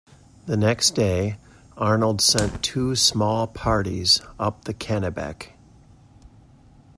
The next day, Arnold sent two small parties up the Kennebec.